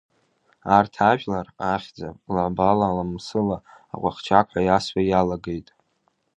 Арҭ ажәлар ахьӡап лабала-ламсыла аҟәақ-чақ ҳәа иасуа иалагеит.